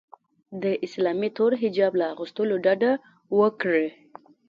د اسلامي تور حجاب له اغوستلو ډډه وکړي